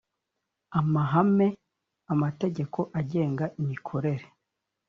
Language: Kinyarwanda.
amahame amategeko agenga imikorere